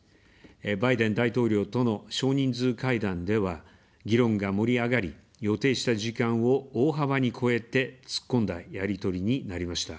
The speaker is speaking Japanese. バイデン大統領との少人数会談では、議論が盛り上がり、予定した時間を大幅に超えて、突っ込んだやり取りになりました。